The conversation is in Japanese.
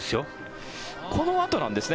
このあとなんですよ。